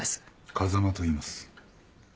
風間といいます。